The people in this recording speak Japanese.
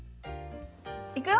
いくよ！